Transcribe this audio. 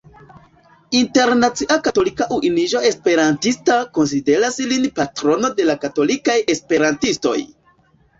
Internacia Katolika Unuiĝo Esperantista konsideras lin patrono de la katolikaj esperantistoj.